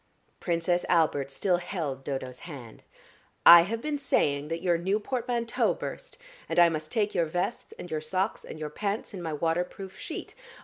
Princess Albert still held Dodo's hand. "I have been saying that your new portmanteau burst, and I must take your vests and your socks and your pants in my water proof sheet.